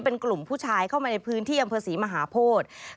เป็นกลุ่มผู้ชายเข้ามาในพื้นที่อำเภอศรีมหาโพธิ